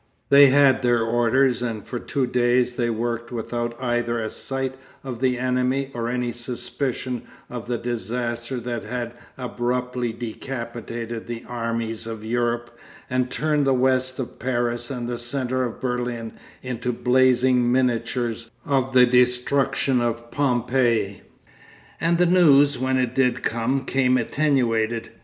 They had their orders, and for two days they worked without either a sight of the enemy or any suspicion of the disaster that had abruptly decapitated the armies of Europe, and turned the west of Paris and the centre of Berlin into blazing miniatures of the destruction of Pompeii. And the news, when it did come, came attenuated.